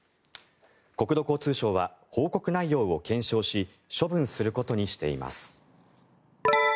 国土交通省は報告内容を検証し処分することにしています。